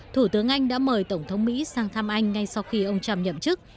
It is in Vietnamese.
thủ tướng anh đã mời tổng thống mỹ sang thăm anh ngay sau khi ông trump nhậm chức